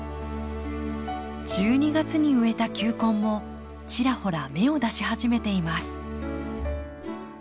１２月に植えた球根もちらほら芽を出し始めています。